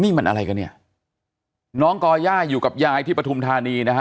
นี่มันอะไรกันเนี่ยน้องก่อย่าอยู่กับยายที่ปฐุมธานีนะฮะ